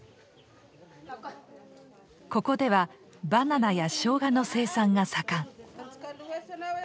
ここではバナナやショウガの生産が盛ん。